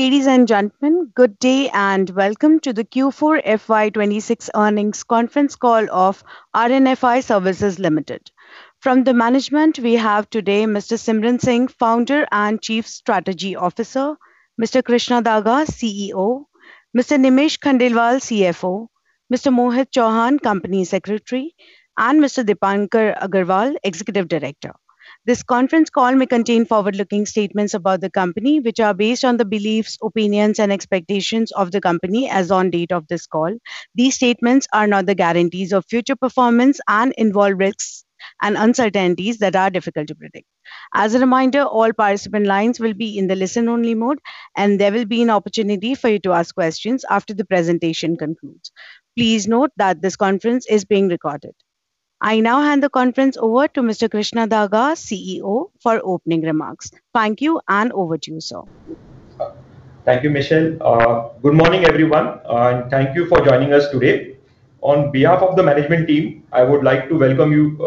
Ladies and gentlemen, good day, and welcome to the Q4 FY 2026 earnings conference call of RNFI Services Limited. From the management, we have today Mr. Simran Singh, Founder and Chief Strategy Officer, Mr. Krishna Daga, CEO, Mr. Nimesh Khandelwal, CFO, Mr. Mohit Chauhan, Company Secretary, and Mr. Deepankar Aggarwal, Executive Director. This conference call may contain forward-looking statements about the company which are based on the beliefs, opinions, and expectations of the company as on date of this call. These statements are not the guarantees of future performance and involve risks and uncertainties that are difficult to predict. As a reminder, all participant lines will be in the listen-only mode, and there will be an opportunity for you to ask questions after the presentation concludes. Please note that this conference is being recorded. I now hand the conference over to Mr. Krishna Daga, CEO, for opening remarks. Thank you, and over to you, sir. Thank you, Michelle. Good morning, everyone. Thank you for joining us today. On behalf of the management team, I would like to welcome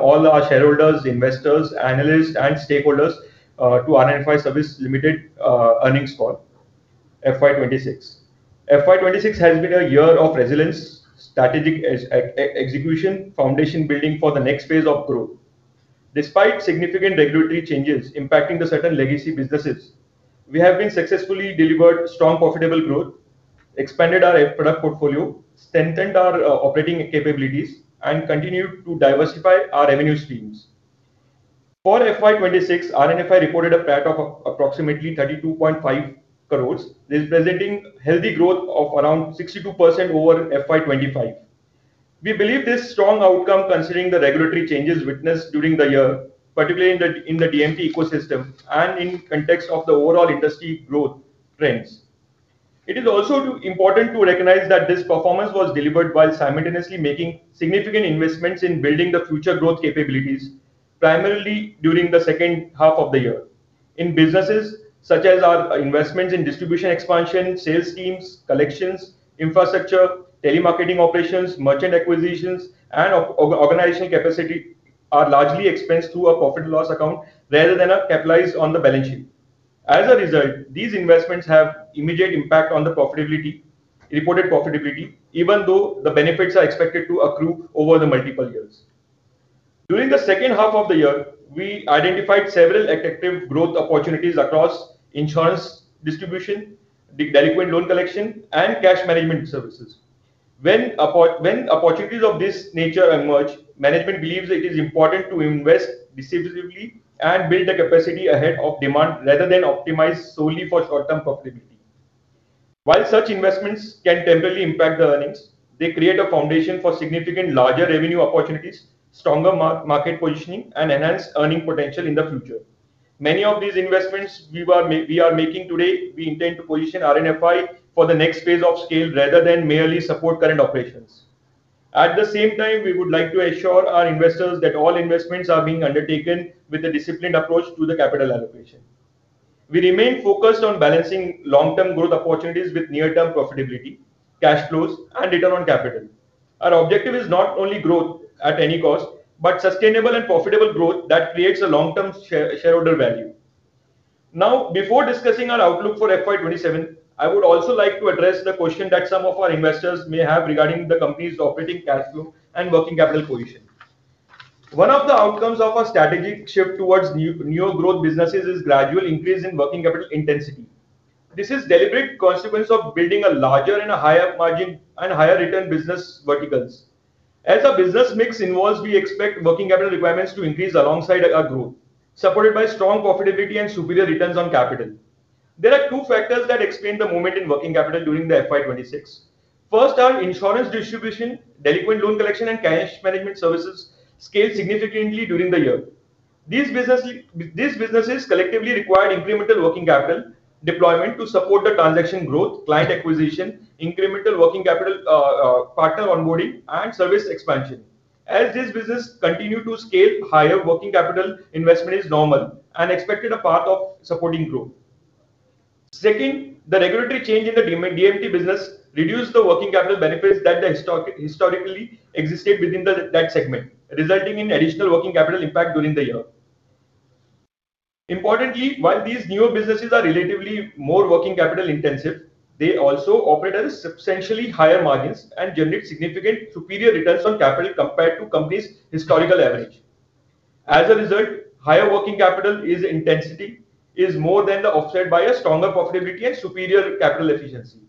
all our shareholders, investors, analysts, and stakeholders to RNFI Services Limited earnings call FY 2026. FY 2026 has been a year of resilience, strategic execution, foundation building for the next phase of growth. Despite significant regulatory changes impacting the certain legacy businesses, we have been successfully delivered strong profitable growth, expanded our product portfolio, strengthened our operating capabilities, and continued to diversify our revenue streams. For FY 2026, RNFI reported a PAT of approximately 32.5 crores, representing healthy growth of around 62% over FY 2025. We believe this strong outcome considering the regulatory changes witnessed during the year, particularly in the DMT ecosystem and in context of the overall industry growth trends. It is also important to recognize that this performance was delivered while simultaneously making significant investments in building the future growth capabilities, primarily during the second half of the year. In businesses, such as our investments in distribution expansion, sales teams, collections, infrastructure, telemarketing operations, merchant acquisitions, and organizational capacity are largely expensed through a profit and loss account rather than are capitalized on the balance sheet. As a result, these investments have immediate impact on the reported profitability, even though the benefits are expected to accrue over the multiple years. During the second half of the year, we identified several attractive growth opportunities across insurance distribution, delinquent loan collection, and cash management services. When opportunities of this nature emerge, management believes it is important to invest decisively and build the capacity ahead of demand rather than optimize solely for short-term profitability. While such investments can temporarily impact the earnings, they create a foundation for significant larger revenue opportunities, stronger market positioning, and enhanced earning potential in the future. Many of these investments we are making today, we intend to position RNFI for the next phase of scale rather than merely support current operations. At the same time, we would like to assure our investors that all investments are being undertaken with a disciplined approach to the capital allocation. We remain focused on balancing long-term growth opportunities with near-term profitability, cash flows, and return on capital. Our objective is not only growth at any cost, but sustainable and profitable growth that creates a long-term shareholder value. Now, before discussing our outlook for FY 2027, I would also like to address the question that some of our investors may have regarding the company's operating cash flow and working capital position. One of the outcomes of our strategic shift towards newer growth businesses is gradual increase in working capital intensity. This is deliberate consequence of building a larger and a higher margin and higher return business verticals. As our business mix evolves, we expect working capital requirements to increase alongside our growth, supported by strong profitability and superior returns on capital. There are two factors that explain the movement in working capital during the FY 2026. First, our insurance distribution, delinquent loan collection, and cash management services scaled significantly during the year. These businesses collectively required incremental working capital deployment to support the transaction growth, client acquisition, incremental working capital partner onboarding, and service expansion. As these businesses continue to scale higher, working capital investment is normal and expected a path of supporting growth. Second, the regulatory change in the DMT business reduced the working capital benefits that historically existed within that segment, resulting in additional working capital impact during the year. Importantly, while these newer businesses are relatively more working capital intensive, they also operate at substantially higher margins and generate significant superior returns on capital compared to company's historical average. As a result, higher working capital intensity is more than the offset by a stronger profitability and superior capital efficiency.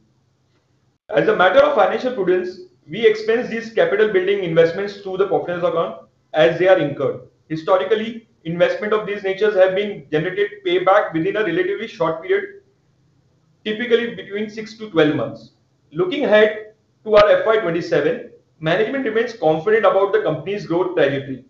As a matter of financial prudence, we expense these capital building investments through the profit and loss account as they are incurred. Historically, investment of these natures have been generated payback within a relatively short period, typically between 6-12 months. Looking ahead to our FY 2027, management remains confident about the company's growth trajectory.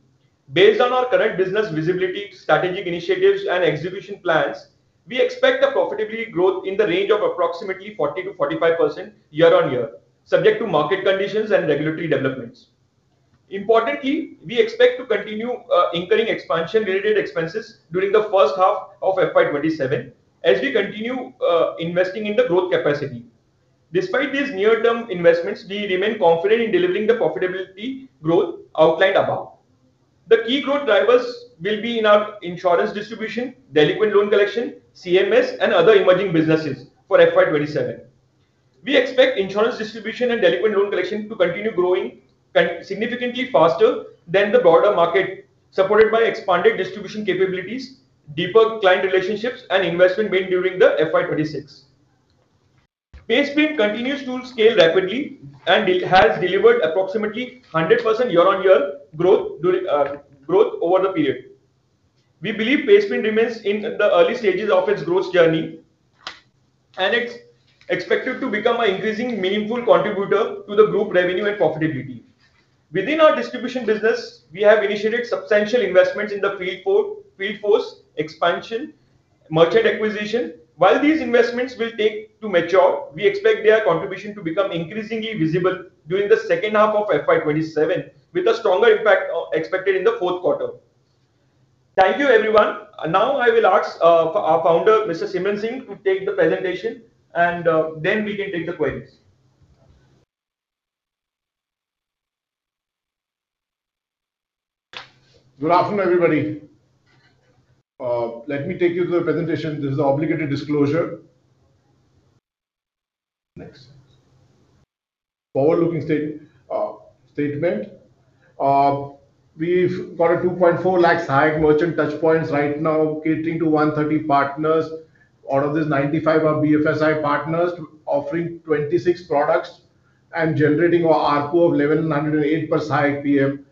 Based on our current business visibility, strategic initiatives, and execution plans, we expect a profitability growth in the range of approximately 40%-45% year-on-year, subject to market conditions and regulatory developments. Importantly, we expect to continue incurring expansion-related expenses during the first half of FY 2027 as we continue investing in the growth capacity. Despite these near-term investments, we remain confident in delivering the profitability growth outlined above. The key growth drivers will be in our insurance distribution, delinquent loan collection, CMS, and other emerging businesses for FY 2027. We expect insurance distribution and delinquent loan collection to continue growing significantly faster than the broader market, supported by expanded distribution capabilities, deeper client relationships, and investment made during the FY 2026. PaySprint continues to scale rapidly and it has delivered approximately 100% year-on-year growth over the period. We believe PaySprint remains in the early stages of its growth journey and it's expected to become an increasingly meaningful contributor to the group revenue and profitability. Within our distribution business, we have initiated substantial investments in the field force expansion, merchant acquisition. While these investments will take to mature, we expect their contribution to become increasingly visible during the second half of FY 2027, with a stronger impact expected in the fourth quarter. Thank you, everyone. Now I will ask our founder, Mr. Simran Singh, to take the presentation and then we can take the questions. Good afternoon, everybody. Let me take you through the presentation. This is obligatory disclosure. Next. Forward-looking statement. We've got a 2.4 lakh site merchant touchpoints right now, catering to 130 partners. Out of this, 95 BFSI partners offering 26 products and generating a ARPU of 1,108 per site PM.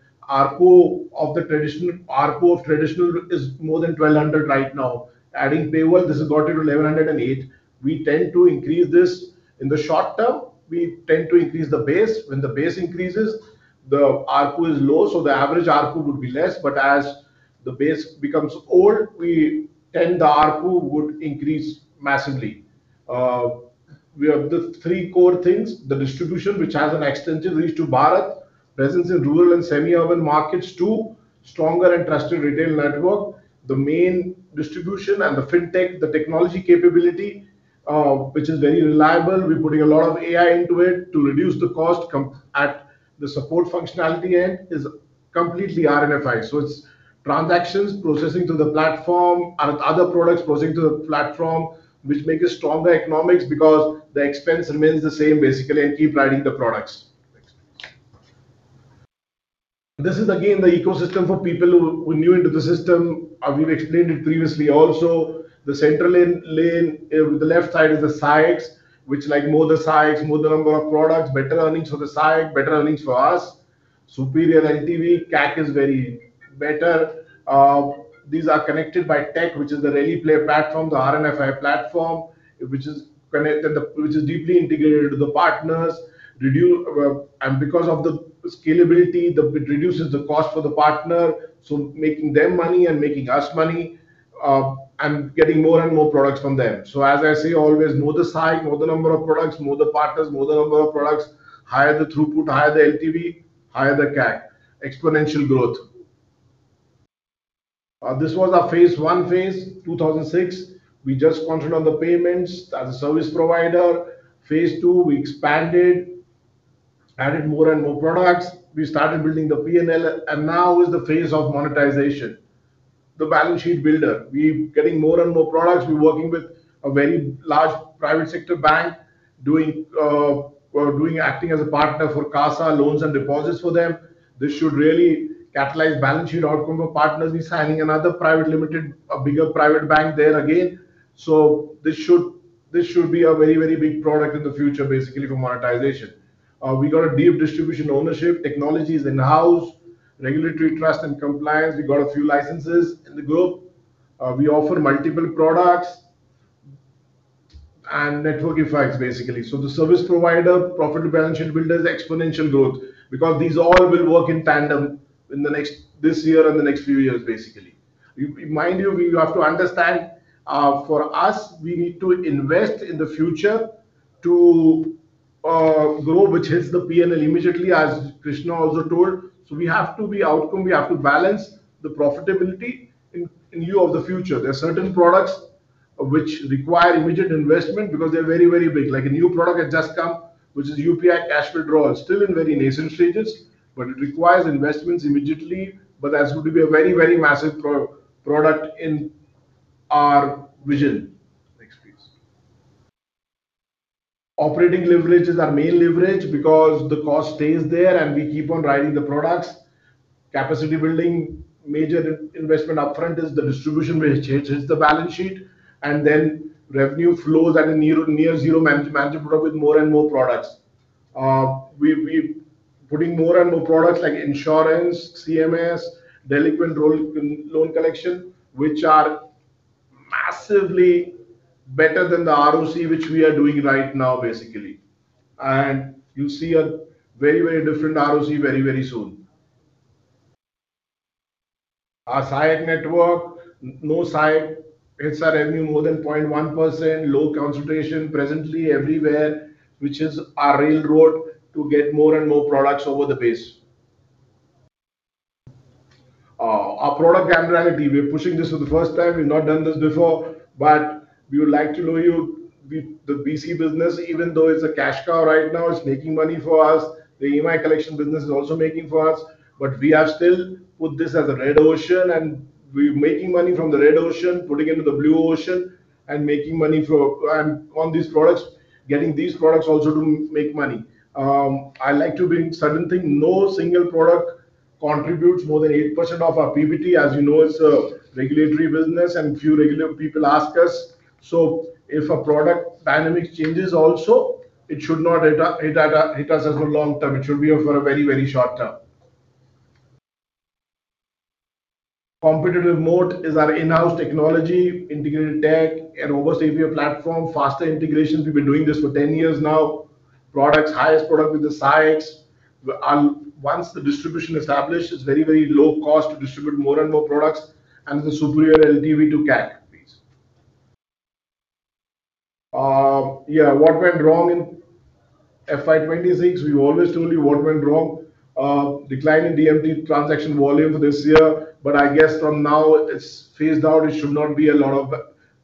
ARPU of traditional is more than 1,200 right now. Adding Payworld, this has got it to 1,108. We tend to increase this. In the short term, we tend to increase the base. When the base increases, the ARPU is low, the average ARPU would be less. As the base becomes old, the ARPU would increase massively. We have the three core things. The distribution, which has an extensive reach to Bharat, presence in rural and semi-urban markets too, stronger and trusted retail network. The main distribution and the fintech, the technology capability, which is very reliable. We're putting a lot of AI into it to reduce the cost at the support functionality end is completely RNFI. It's transactions processing through the platform and other products processing through the platform, which make a stronger economics because the expense remains the same basically and keep riding the products. Next. This is again the ecosystem for people who are new into the system. We've explained it previously also. The central lane, the left site is the sites, which like more the sites, more the number of products, better earnings for the site, better earnings for us. Superior LTV, CAC is very better. These are connected by tech, which is the Relipay platform, the RNFI platform, which is deeply integrated to the partners. Because of the scalability, it reduces the cost for the partner, making them money and making us money, and getting more and more products from them. As I say, always more the site, more the number of products, more the partners, higher the throughput, higher the LTV, higher the CAC. Exponential growth. This was our phase 1, 2006. We just concentrated on the payments as a service provider. Phase 2, we expanded, added more and more products. We started building the P&L. Now is the phase of monetization. The balance sheet builder. We're getting more and more products. We're working with a very large private sector bank, acting as a partner for CASA loans and deposits for them. This should really catalyze balance sheet outcome for partners. We're signing another private limited, a bigger private bank there again. This should be a very big product in the future, basically, for monetization. We got a deep distribution ownership. Technology is in-house. Regulatory trust and compliance. We got a few licenses in the group. We offer multiple products and network effects, basically. The service provider, profitable balance sheet builders, exponential growth, because these all will work in tandem this year and the next few years, basically. Mind you have to understand, for us, we need to invest in the future to grow, which hits the P&L immediately, as Krishna also told. We have to be outcome. We have to balance the profitability in view of the future. There are certain products which require immediate investment because they're very big. Like a new product has just come, which is UPI cash withdrawal. Still in very nascent stages, but it requires investments immediately. That's going to be a very massive product in our vision. Next, please. Operating leverage is our main leverage because the cost stays there and we keep on riding the products. Capacity building, major investment upfront is the distribution which hits the balance sheet, and then revenue flows at a near zero marginal product with more and more products. We're putting more and more products like insurance, CMS, delinquent loan collection, which are massively better than the ROC which we are doing right now, basically. You'll see a very different ROC very soon. Our Relipay network. No, Relipay. Its revenue more than 0.1%. Low concentration. Presently everywhere, which is our railroad to get more and more products over the base. Our product granularity. We're pushing this for the first time. We've not done this before, but we would like to know. The BC business, even though it's a cash cow right now, it's making money for us. The EMI collection business is also making for us. We have still put this as a red ocean, and we're making money from the red ocean, putting into the blue ocean, and making money on these products, getting these products also to make money. I like to bring certain thing, no single product contributes more than 8% of our PBT. As you know, it's a regulatory business and few regulators ask us. If a product dynamic changes also, it should not hit us as for long-term, it should be of for a very short-term. Competitive moat is our in-house technology, integrated tech and robust API platform, faster integrations. We've been doing this for 10 years now. Products, highest product with the SHGs. Once the distribution established, it's very low cost to distribute more and more products, and the superior LTV to CAC piece. What went wrong in FY 2026? We've always told you what went wrong. Decline in DMT transaction volume this year, but I guess from now it's phased out. It should not be a lot of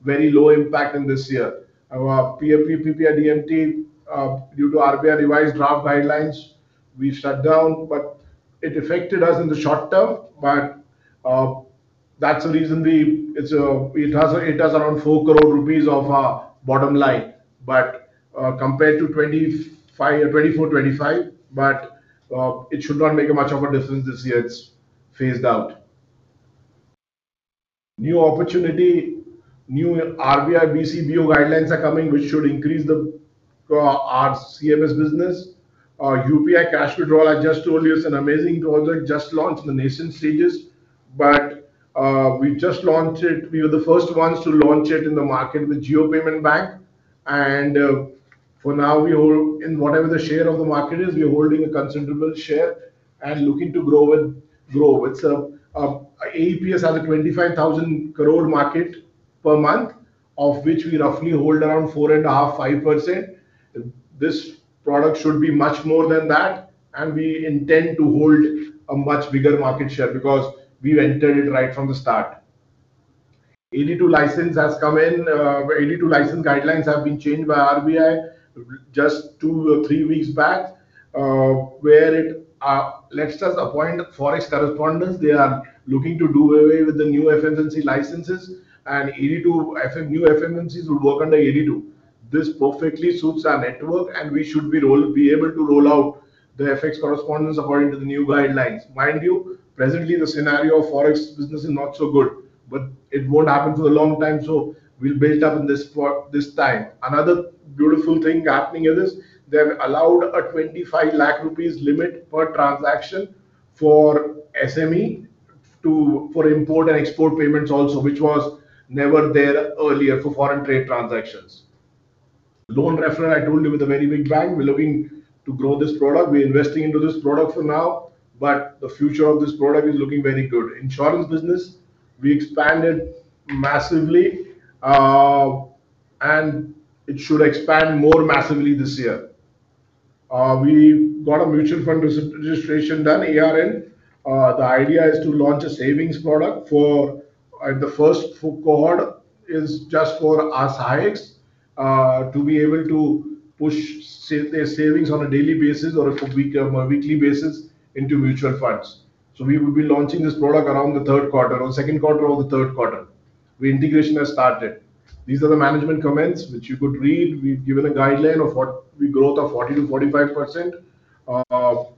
very low impact in this year. Our PMP PP at DMT, due to RBI revised draft guidelines, we shut down, but it affected us in the short term. That's the reason it does around 4 crore rupees of our bottom line, but compared to 2024, 2025, but it should not make much of a difference this year. It's phased out. New opportunity. New RBI BC BU guidelines are coming, which should increase our CMS business. Our UPI cash withdrawal, I just told you, it's an amazing product, just launched in the nascent stages. We've just launched it. We were the first ones to launch it in the market with Jio Payments Bank. For now, in whatever the share of the market is, we are holding a considerable share and looking to grow and grow. AEPS has a 25,000 crore market per month, of which we roughly hold around 4.5%-5%. This product should be much more than that, and we intend to hold a much bigger market share because we've entered it right from the start. AD2 license has come in. AD2 license guidelines have been changed by RBI just two or three weeks back, where it lets us appoint Forex correspondents. They are looking to do away with the new FFMC licenses, new FFMCs would work under AD2. This perfectly suits our network. We should be able to roll out the FX correspondents according to the new guidelines. Mind you, presently, the scenario of FX business is not so good, but it won't happen for a long time, so we'll build up in this for this time. Another beautiful thing happening is they've allowed a 25 lakh rupees limit per transaction for SME for import and export payments also, which was never there earlier for foreign trade transactions. Loan referral, I told you, with a very big bank. We're looking to grow this product. We're investing into this product for now, but the future of this product is looking very good. Insurance business, we expanded massively, and it should expand more massively this year. We got a mutual fund registration done, ARN. The idea is to launch a savings product for the first cohort is just for our SIHs to be able to push their savings on a daily basis or a weekly basis into mutual funds. We will be launching this product around the third quarter or second quarter or the third quarter. The integration has started. These are the management comments which you could read. We've given a guideline of growth of 40%-45%.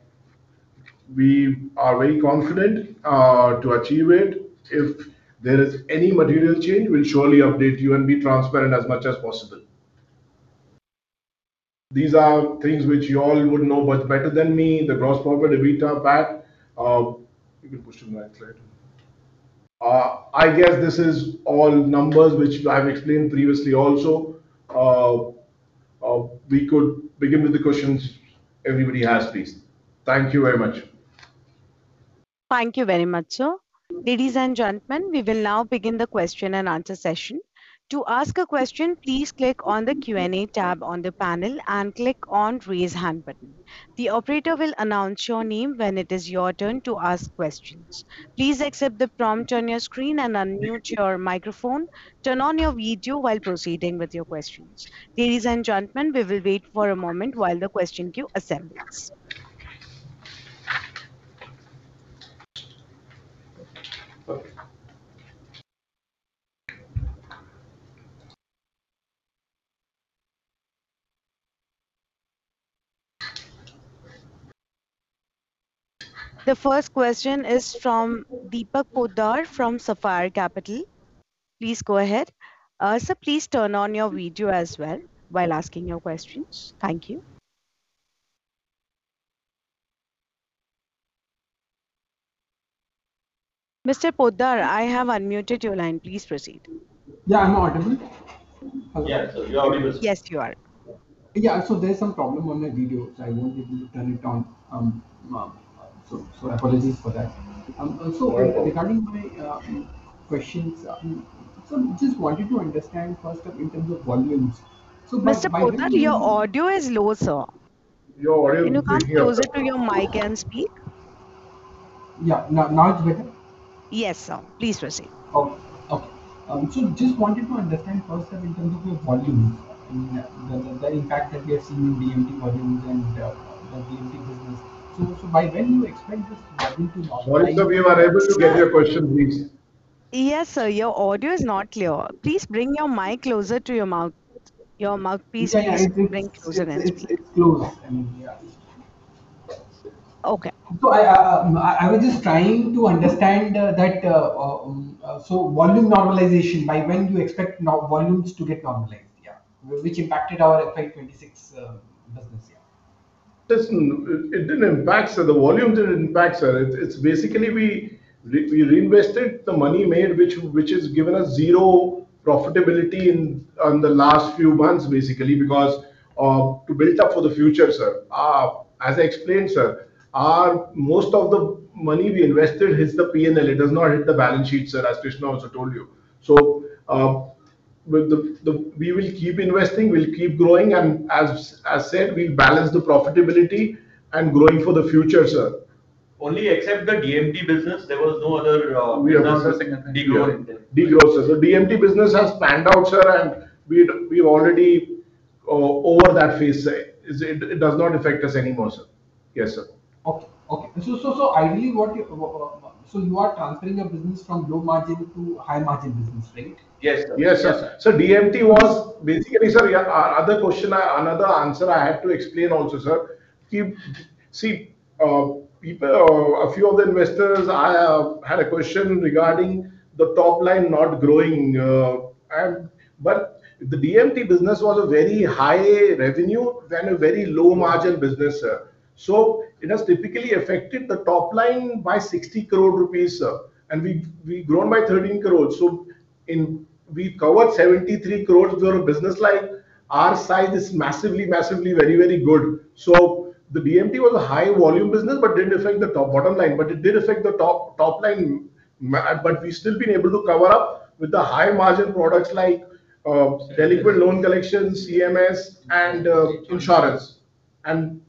We are very confident to achieve it. If there is any material change, we'll surely update you and be transparent as much as possible. These are things which you all would know much better than me. The gross profit, EBITDA, PAT. You can push to the next slide. I guess this is all numbers which I have explained previously also. We could begin with the questions everybody has, please. Thank you very much. Thank you very much, sir. Ladies and gentlemen, we will now begin the question and answer session. To ask a question, please click on the Q&A tab on the panel and click on Raise Hand button. The operator will announce your name when it is your turn to ask questions. Please accept the prompt on your screen and unmute your microphone. Turn on your video while proceeding with your questions. Ladies and gentlemen, we will wait for a moment while the question queue assembles. The first question is from Deepak Poddar from Sapphire Capital. Please go ahead. Sir, please turn on your video as well while asking your questions. Thank you. Mr. Poddar, I have unmuted your line. Please proceed. Yeah, I'm audible? Yeah, sir. You're audible, sir. Yes, you are. Yeah. There's some problem on my video, so I won't be able to turn it on. Apologies for that. Also, regarding my questions, so just wanted to understand, first up in terms of volumes. Mr. Poddar, your audio is low, sir. Your audio is very low. Can you come closer to your mic and speak? Yeah. Now it's better? Yes, sir. Please proceed. Okay. Just wanted to understand first, sir, in terms of your volumes, I mean, the impact that we are seeing in DMT volumes and the DMT business. By when do you expect this volume to normalize? Volume, sir, we were able to get your question, please. Yes, sir, your audio is not clear. Please bring your mic closer to your mouthpiece. Yes, I think it's close. I mean, yeah. Okay. I was just trying to understand that volume normalization, by when do you expect volumes to get normalized? Yeah. Which impacted our FY 2026 business year. It didn't impact, sir. The volume didn't impact, sir. It's basically we reinvested the money made, which has given us zero profitability in the last few months, basically, because to build up for the future, sir. As I explained, sir, most of the money we invested hits the P&L. It does not hit the balance sheet, sir, as Krishna also told you. We will keep investing, we'll keep growing, and as said, we'll balance the profitability and growing for the future, sir. Only except the DMT business, there was no other. We are not assessing anything here. De-growth in there. De-growth, sir. DMT business has panned out, sir, and we're already over that phase, sir. It does not affect us anymore, sir. Yes, sir. Okay. Ideally, you are transferring your business from low margin to high margin business, right? Yes, sir. Yes, sir. DMT was basically, sir, another answer I have to explain also, sir. A few of the investors had a question regarding the top line not growing. The DMT business was a very high revenue and a very low margin business, sir. It has typically affected the top line by 60 crore rupees, sir, and we've grown by 13 crore. We've covered 73 crore worth of business. Our site is massively very good. The DMT was a high volume business, but didn't affect the bottom line. It did affect the top line. We've still been able to cover up with the high margin products like delinquent loan collections, CMS, and insurance, and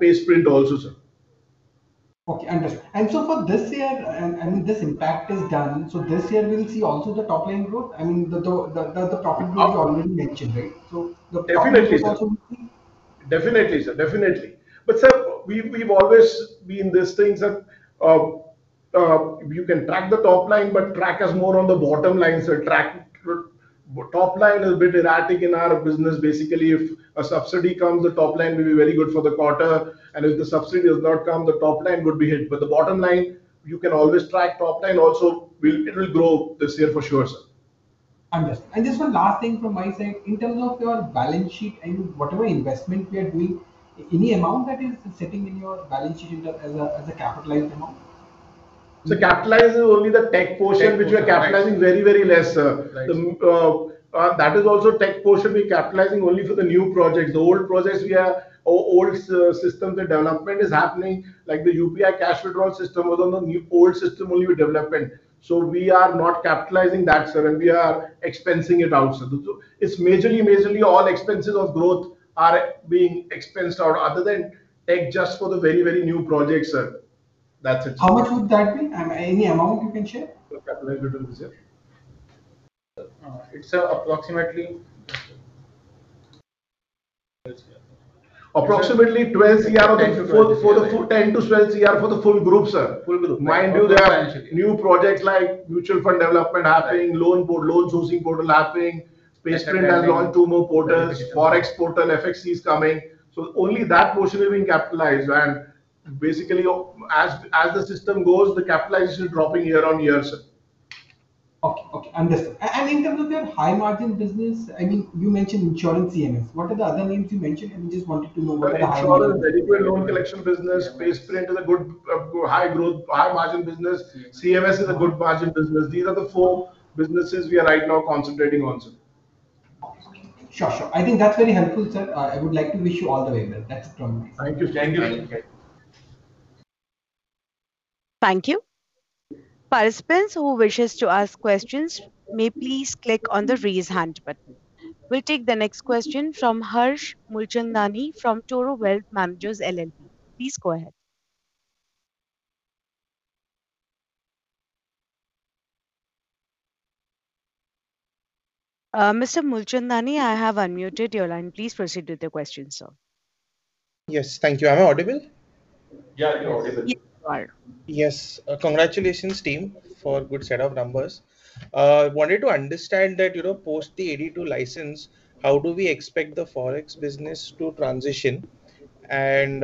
PaySprint also, sir. Okay, understood. For this year, this impact is done. This year, we'll see also the top-line growth? I mean, the profitability you already mentioned, right? Definitely, sir Growth also will be? Definitely, sir. Sir, we've always been this thing, sir, you can track the top line, but track us more on the bottom line, sir. Top line is a bit erratic in our business. Basically, if a subsidy comes, the top line will be very good for the quarter, and if the subsidy has not come, the top line would be hit. The bottom line, you can always track. Top line also, it will grow this year for sure, sir. Understood. Just one last thing from my side. In terms of your balance sheet and whatever investment you are doing, any amount that is sitting in your balance sheet as a capitalized amount? Sir, capitalized is only the tech portion. Tech portion. Which we are capitalizing very less, sir. Right. That is also tech portion, we're capitalizing only for the new projects. The old projects, we have old systems, the development is happening, like the UPI cash withdrawal system was on the old system, only with development. We are not capitalizing that, sir, and we are expensing it out, sir. It's majorly all expenses of growth are being expensed out other than tech, just for the very new projects, sir. That's it, sir. How much would that be? Any amount you can share? To capitalize it, sir? Sir, it's approximately INR 12 crore. Approximately INR 12 crore. INR 10 crore-INR 12 crore. For the full 10 crore-12 crore for the full group, sir. Full group. Mind you. Okay. Potentially. New projects like mutual fund development happening, loan sourcing portal happening. Yes, sir. PaySprint has launched two more portals. Forex portal, FXC, is coming. Only that portion is being capitalized. Basically, as the system goes, the capitalization is dropping year-on-year, sir. Okay. Understood. In terms of your high margin business, you mentioned insurance, CMS. What are the other names you mentioned? I just wanted to know what are the high margin businesses. Insurance, delinquent loan collection business. PaySprint is a good high margin business. Okay. CMS is a good margin business. These are the four businesses we are right now concentrating on, sir. Okay. Sure. I think that's very helpful, sir. I would like to wish you all the very best. That's it from me. Thank you. Thank you. Thank you. Participants who wishes to ask questions may please click on the Raise Hand button. We'll take the next question from Harsh Mulchandani from Toro Wealth Managers LLP. Please go ahead. Mr. Mulchandani, I have unmuted your line. Please proceed with your question, sir. Yes. Thank you. Am I audible? Yeah, you're audible. Yes. Yes. Congratulations, team, for good set of numbers. Wanted to understand that, post the AD2 license, how do we expect the forex business to transition? Can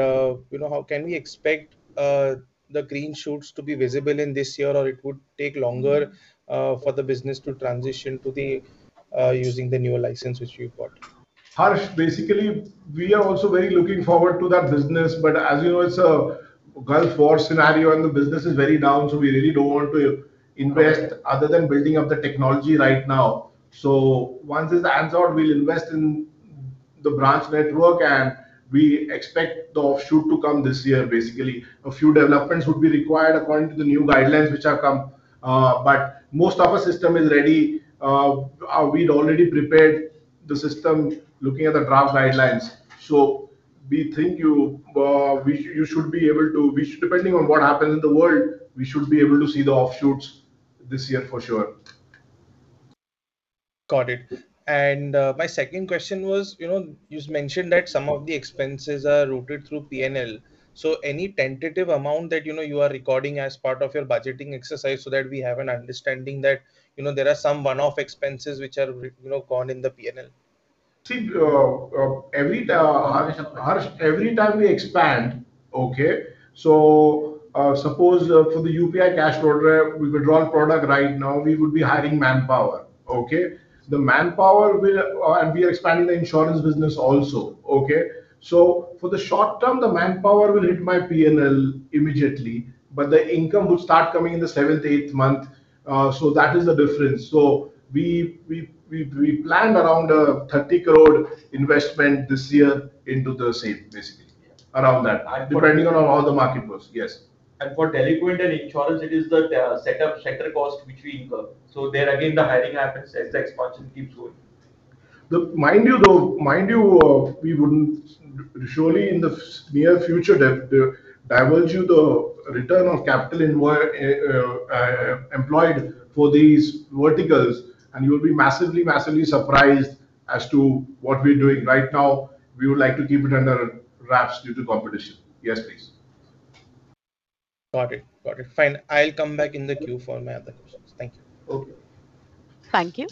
we expect the green shoots to be visible in this year, or it would take longer for the business to transition to using the new license which you've got? Harsh, basically, we are also very looking forward to that business. As you know, it's a Gulf War scenario, the business is very down. We really don't want to invest other than building up the technology right now. Once this ends out, we'll invest in the branch network. We expect the offshoot to come this year, basically. A few developments would be required according to the new guidelines which have come. Most of our system is ready. We'd already prepared the system looking at the draft guidelines. We think, depending on what happens in the world, we should be able to see the offshoots this year for sure. Got it. My second question was, you mentioned that some of the expenses are routed through P&L. Any tentative amount that you are recording as part of your budgeting exercise so that we have an understanding that there are some one-off expenses which are gone in the P&L? Every time we expand. Suppose for the UPI cash withdrawal product right now, we would be hiring manpower. We are expanding the insurance business also. For the short term, the manpower will hit my P&L immediately, but the income would start coming in the seventh, eighth month. That is the difference. We planned around 30 crore investment this year into the same. Around that. Depending on how the market goes. Yes. For delinquent and insurance, it is the set of sector costs which we incur. There again, the hiring happens as the expansion keeps going. Mind you, we wouldn't surely in the near future divulge you the return on capital employed for these verticals, and you'll be massively surprised as to what we're doing. Right now, we would like to keep it under wraps due to competition. Yes, please. Got it. Fine. I'll come back in the queue for my other questions. Thank you. Okay. Thank you.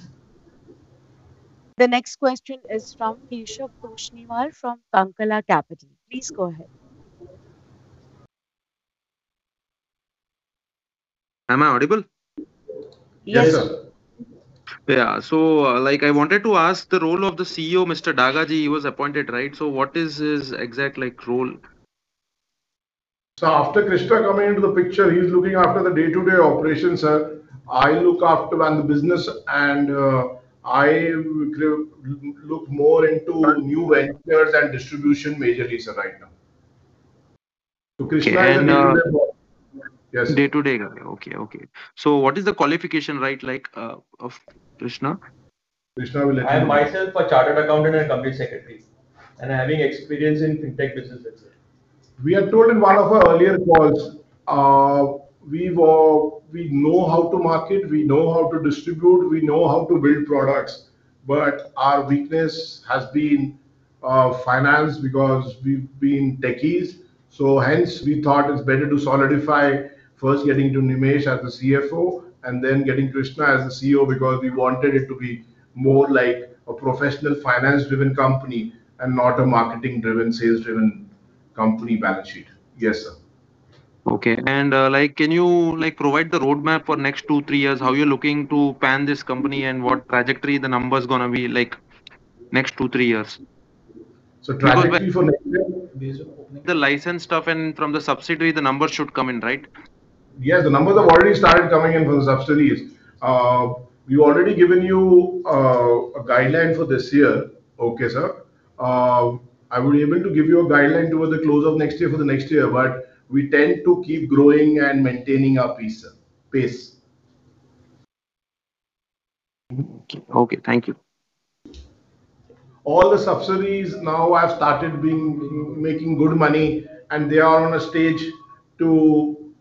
The next question is from Keshav Toshniwal from [Sansela] Capital. Please go ahead. Am I audible? Yes. Yes. Yeah. I wanted to ask the role of the CEO, Mr. Daga. He was appointed, right? What is his exact role? After Krishna coming into the picture, he's looking after the day-to-day operations. I look after the business, and I look more into new ventures and distribution majorly, sir, right now. Okay. Yes. Day-to-day. Okay. What is the qualification, right, of Krishna? Krishna will let you know. I am myself a chartered accountant and company secretary, I'm having experience in fintech business itself. We had told in one of our earlier calls. We know how to market, we know how to distribute, we know how to build products, but our weakness has been finance because we've been techies. Hence, we thought it's better to solidify, first getting Nimesh as the CFO, and then getting Krishna as the CEO, because we wanted it to be more like a professional finance-driven company and not a marketing-driven, sales-driven company balance sheet. Yes, sir. Okay. Can you provide the roadmap for next two, three years? How you're looking to pan this company and what trajectory the numbers going to be like next two, three years? So trajectory for next year. The license stuff and from the subsidy, the numbers should come in, right? Yes, the numbers have already started coming in from the subsidies. We've already given you a guideline for this year. Okay, sir. I would be able to give you a guideline towards the close of next year for the next year, but we tend to keep growing and maintaining our pace. Okay. Thank you. All the subsidiaries now have started making good money, and they are on a stage to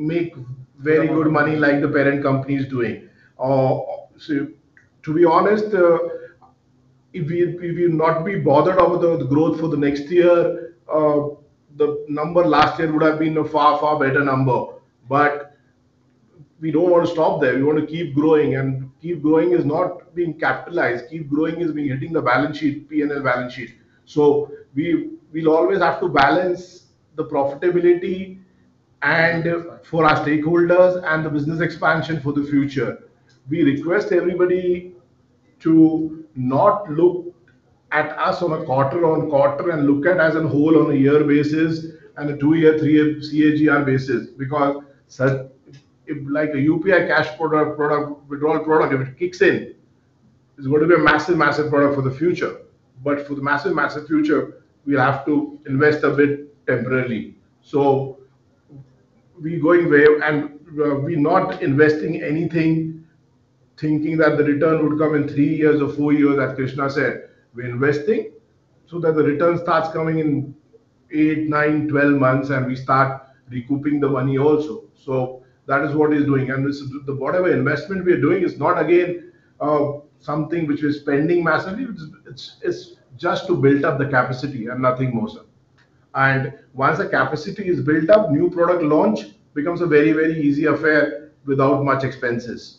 make very good money like the parent company is doing. To be honest, if we'll not be bothered about the growth for the next year, the number last year would have been a far, far better number. We don't want to stop there. We want to keep growing, and keep growing is not being capitalized. Keep growing is hitting the P&L balance sheet. We'll always have to balance the profitability for our stakeholders and the business expansion for the future. We request everybody to not look at us on a quarter-on-quarter and look at us on whole on a year basis and a two-year, three-year CAGR basis. Like the UPI cash withdrawal product, if it kicks in, it's going to be a massive product for the future. For the massive future, we have to invest a bit temporarily. We're not investing anything, thinking that the return would come in three years or four years, as Krishna said. We're investing so that the return starts coming in eight, nine, 12 months, and we start recouping the money also. That is what he's doing. Whatever investment we are doing is not, again, something which we're spending massively. It's just to build up the capacity and nothing more, sir. Once the capacity is built up, new product launch becomes a very easy affair without much expenses.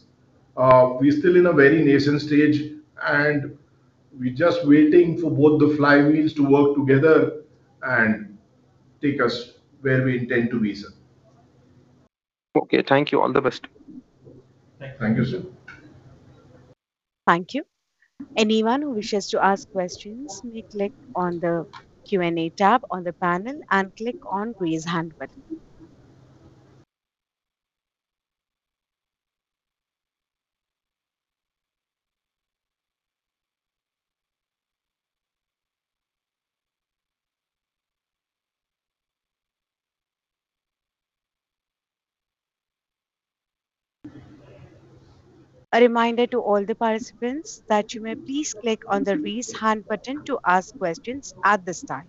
We're still in a very nascent stage, and we're just waiting for both the flywheels to work together and take us where we intend to be, sir. Okay. Thank you. All the best. Thank you, sir. Thank you. Anyone who wishes to ask questions may click on the Q&A tab on the panel and click on Raise Hand button. A reminder to all the participants that you may please click on the Raise Hand button to ask questions at this time.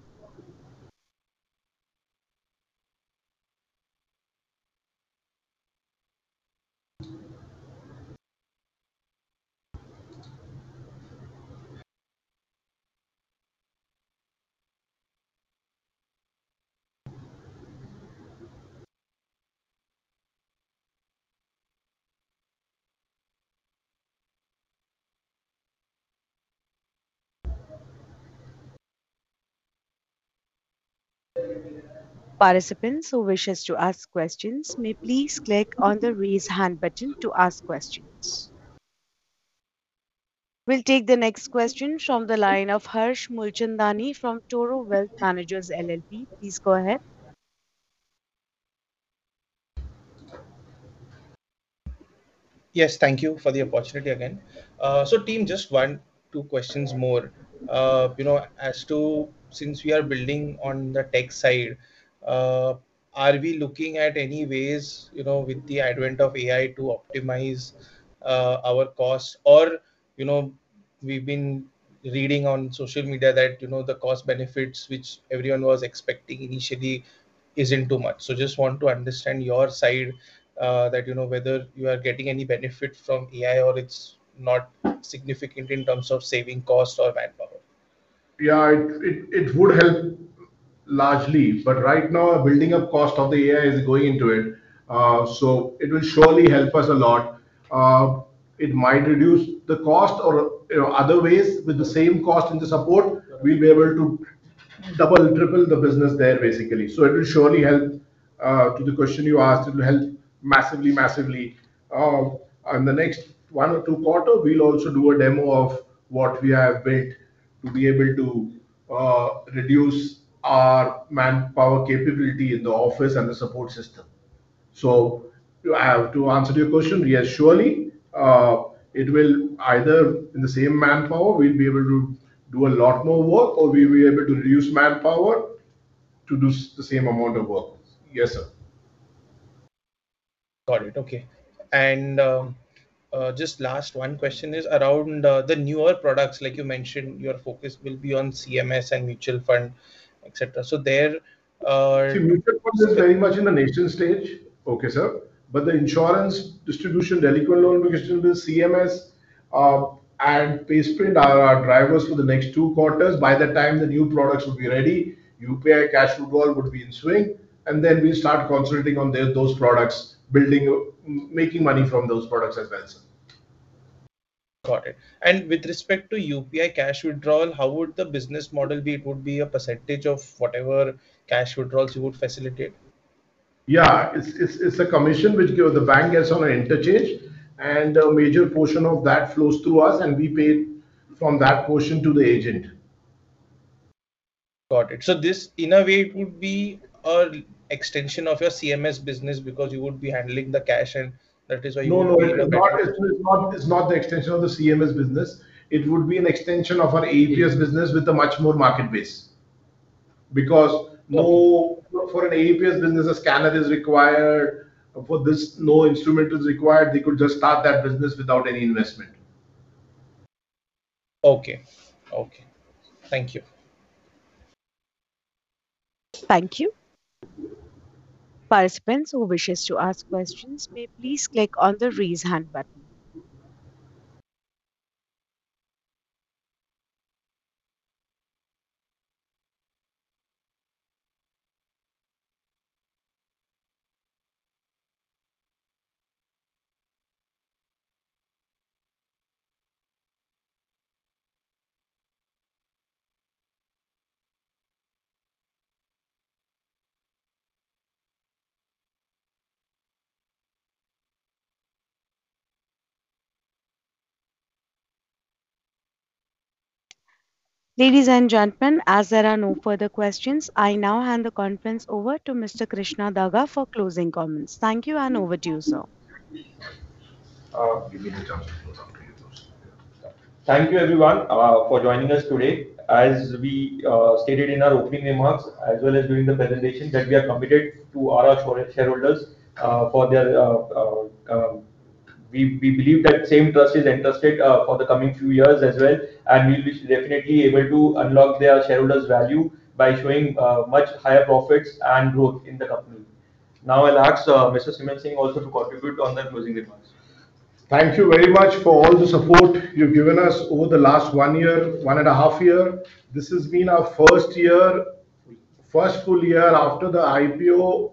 Participants who wishes to ask questions may please click on the Raise Hand button to ask questions. We'll take the next question from the line of Harsh Mulchandani from Toro Wealth Managers LLP. Please go ahead. Yes. Thank you for the opportunity again. Team, just one, two questions more. Since we are building on the tech site, are we looking at any ways with the advent of AI to optimize our costs? We've been reading on social media that the cost benefits which everyone was expecting initially isn't too much. Just want to understand your site, whether you are getting any benefit from AI or it's not significant in terms of saving costs or manpower. Yeah, it would help largely. Right now, building up cost of the AI is going into it. It will surely help us a lot. It might reduce the cost or other ways, with the same cost and the support, we'll be able to double and triple the business there basically. It will surely help. To the question you asked, it will help massively. On the next one or two quarter, we'll also do a demo of what we have built to be able to reduce our manpower capability in the office and the support system. To answer to your question, yes, surely. It will either, in the same manpower, we'll be able to do a lot more work, or we'll be able to reduce manpower to do the same amount of work. Yes, sir. Got it. Okay. Just last one question is around the newer products. Like you mentioned, your focus will be on CMS and mutual fund, et cetera. See, mutual fund is very much in the nascent stage. Okay, sir? The insurance distribution, delinquent loan distribution business, CMS, and PaySprint are our drivers for the next two quarters. By the time the new products will be ready, UPI cash withdrawal would be in swing, and then we start concentrating on those products, making money from those products as well, sir. Got it. With respect to UPI cash withdrawal, how would the business model be? It would be a percentage of whatever cash withdrawals you would facilitate? Yeah. It's a commission which the bank gets on an interchange, and a major portion of that flows through us, and we pay from that portion to the agent. Got it. This, in a way, it would be a extension of your CMS business because you would be handling the cash, and that is why you. No, it's not the extension of the CMS business. It would be an extension of our AEPS business with a much more market base. Okay. For an AEPS business, a scanner is required. For this, no instrument is required. They could just start that business without any investment. Okay. Thank you. Thank you. Participants who wishes to ask questions may please click on the Raise Hand button. Ladies and gentlemen, as there are no further questions, I now hand the conference over to Mr. Krishna Daga for closing comments. Thank you, and over to you, sir. Give me the chance to close out the. Thank you everyone for joining us today. As we stated in our opening remarks, as well as during the presentation, that we are committed to all our shareholders. We believe that same trust is entrusted for the coming few years as well, and we'll be definitely able to unlock their shareholders value by showing much higher profits and growth in the company. Now I'll ask Mr. Simran Singh also to contribute on the closing remarks. Thank you very much for all the support you've given us over the last one year, one and a half year. This has been our first full year after the IPO.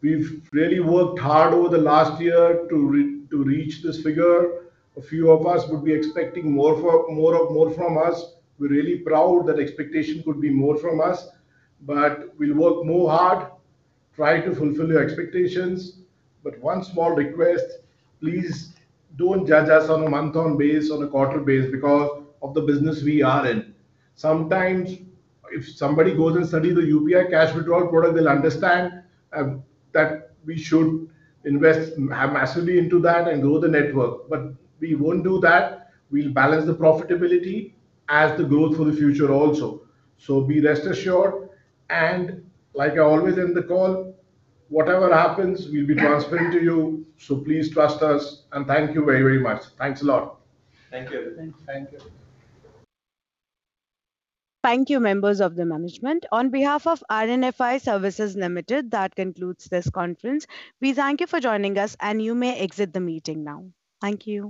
We've really worked hard over the last year to reach this figure. A few of us would be expecting more from us. We're really proud that expectation could be more from us. We'll work more hard, try to fulfill your expectations. One small request, please don't judge us on a month on base, on a quarter base because of the business we are in. Sometimes if somebody goes and study the UPI cash withdrawal product, they'll understand that we should invest massively into that and grow the network. We won't do that. We'll balance the profitability as the growth for the future also. Rest assured, and like I always end the call, whatever happens, we'll be transparent to you. Please trust us, and thank you very much. Thanks a lot. Thank you. Thank you. Thank you, members of the management. On behalf of RNFI Services Limited, that concludes this conference. We thank you for joining us, and you may exit the meeting now. Thank you